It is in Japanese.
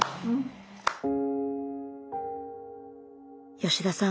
吉田さん